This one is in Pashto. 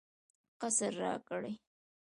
قصر راکړ.